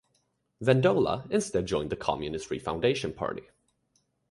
Vendola instead joined the Communist Refoundation Party.